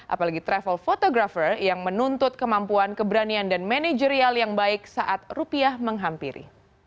apalagi travel photographer yang menuntut kemampuan keberanian dan manajerial yang baik saat rupiah menghampiri